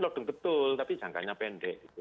lodung betul tapi jangkanya pendek gitu